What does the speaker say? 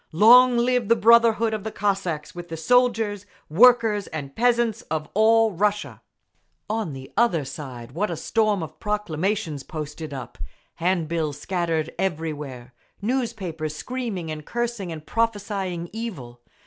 Long live the brotherhood of the Cossacks with the soldiers, workers and peasants of all Russia! On the other side, what a storm of proclamations posted up, hand bills scattered everywhere, newspapers—screaming and cursing and prophesying evil.